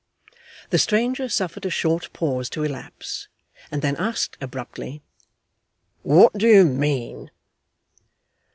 The stranger suffered a short pause to elapse, and then asked abruptly, 'What do you mean?